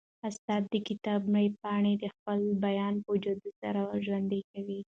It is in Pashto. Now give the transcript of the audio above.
استاد د کتاب مړې پاڼې د خپل بیان په جادو سره ژوندۍ کوي.